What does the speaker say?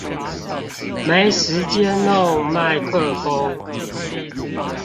沒時間弄麥克風